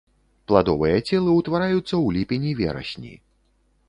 Пладовыя целы ўтвараюцца ў ліпені-верасні.